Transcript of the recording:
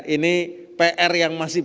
ini pr yang masih